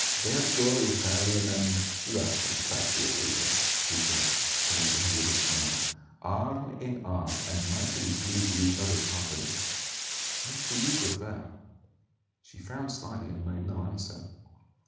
"There go Italian and Russian patriotism," he said, turning to her with a smile; "arm in arm and mightily pleased with each other's company. Which do you prefer?" She frowned slightly and made no answer.